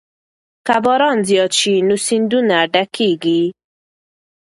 که باران زیات شي نو سیندونه ډکېږي.